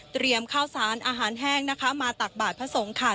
ข้าวสารอาหารแห้งนะคะมาตักบาทพระสงฆ์ค่ะ